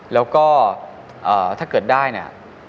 แล้วก็ถ้าเกิดได้เนี่ย